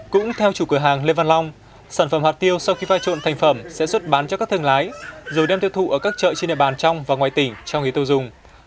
cũng theo chủ cửa hàng lê văn long sản phẩm hạt tiêu sau khi phai trộn thành phẩm sẽ xuất bán cho các thương lái rồi đem tiêu thụ ở các chợ trên địa bàn trong và ngoài tỉnh cho người tiêu dùng